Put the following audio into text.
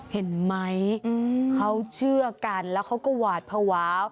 เห็นไหมเขาเชื่อกันแล้วเขาก็หวาดภาวะ